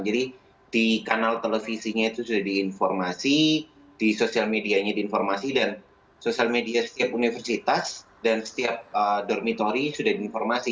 jadi di kanal televisinya itu sudah diinformasi di sosial medianya diinformasi dan sosial media setiap universitas dan setiap dormitori sudah diinformasi